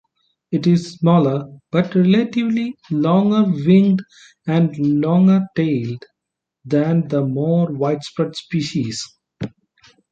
It is smaller, but relatively longer-winged and longer-tailed than the more widespread species.